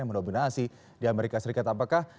mendominasi di amerika serikat apakah